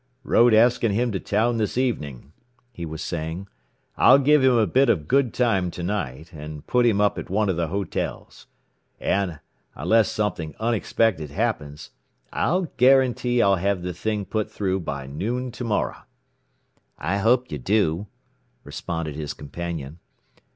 "... wrote asking him to town this evening," he was saying. "I'll give him a bit of a good time to night, and put him up at one of the hotels and, unless something unexpected happens, I'll guarantee I'll have the thing put through by noon to morrow." "I hope you do," responded his companion.